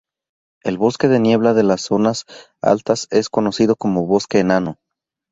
El bosque de niebla de las zonas altas es conocido como bosque enano.